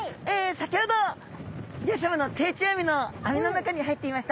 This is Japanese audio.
先ほど漁師さまの定置網の網の中に入っていました